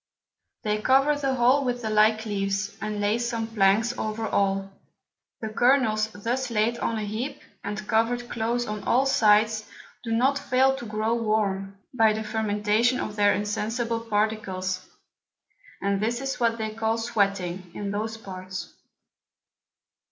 They cover the whole with the like Leaves, and lay some Planks over all: the Kernels thus laid on a heap, and cover'd close on all sides, do not fail to grow warm, by the Fermentation of their insensible Particles; and this is what they call Sweating, in those Parts.